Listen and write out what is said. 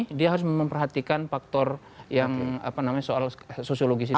jadi dia harus memperhatikan faktor yang apa namanya soal sosiologis itu